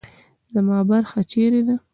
زما برخه چیرې ده؟